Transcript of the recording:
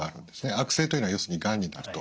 悪性というのは要するにがんになると。